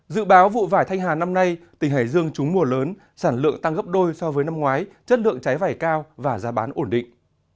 dự báo vụ vải thanh hà năm nay tỉnh hải dương trúng mùa lớn sản lượng tăng gấp đôi so với năm ngoái chất lượng trái vải cao và giá bán ổn định